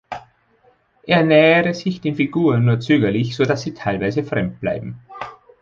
Er nähere sich den Figuren nur zögerlich, so dass sie teilweise fremd bleiben.